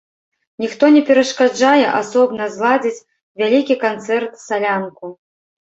Ніхто не перашкаджае асобна зладзіць вялікі канцэрт-салянку.